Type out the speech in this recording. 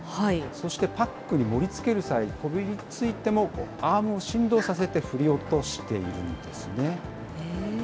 そしてパックに盛りつける際、こびりついてもアームを振動させて振り落としているんですね。